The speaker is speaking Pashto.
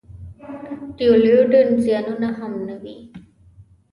د devaluation زیانونه هم نه وي.